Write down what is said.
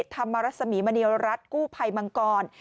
ธรรมรสมีมณีรัฐกู้ภัยมังกร